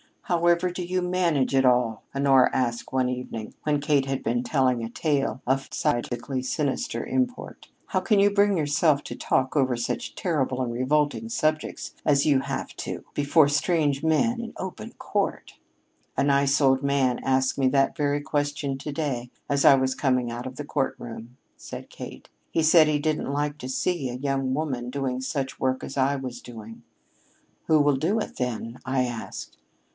"However do you manage it all?" Honora asked one evening when Kate had been telling a tale of psychically sinister import. "How can you bring yourself to talk over such terrible and revolting subjects as you have to, before strange men in open court?" "A nice old man asked me that very question to day as I was coming out of the courtroom," said Kate. "He said he didn't like to see young women doing such work as I was doing. 'Who will do it, then?' I asked.